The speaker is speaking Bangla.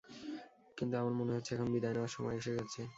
কিন্তু আমার মনে হচ্ছে এখন বিদায় নেওয়ার সময় এসে গেছে।